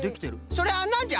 それはなんじゃ？